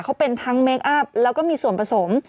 เขาเป็นทั้งเมคอัพแล้วก็มีส่วนผสม